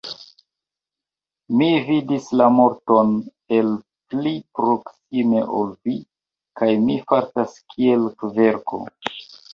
Mi vidis la morton el pli proksime ol vi, kaj mi fartas kiel kverko.